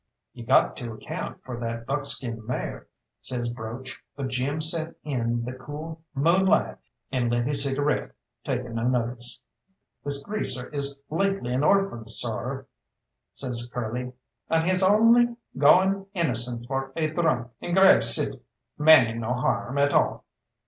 "You got to account for that buckskin mare," says Broach, but Jim set in the cool moonlight and lit his cigarette, taking no notice. "This greaser is lately an orphan, sorr," says Curly, "an' he's only goin' innocent for a dhrunk in Grave City maning no harr m at all."